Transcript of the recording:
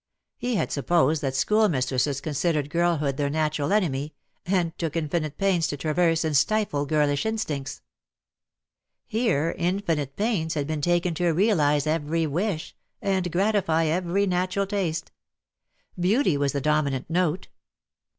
He had supposed that schoolmistresses considered girlhood their natural enemy, and took infinite pains to traverse and stifle girhsh instincts. Here infinite pains had been taken to realise every wish, and gratify every natural taste. Beauty was the dominant note.